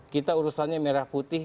kita urusannya merah putih